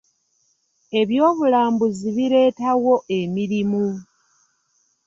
Eby'obulambuzi bireetawo emirimu.